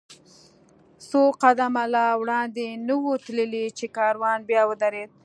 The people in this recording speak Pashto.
څو قدمه لا وړاندې نه و تللي، چې کاروان بیا ودرېد.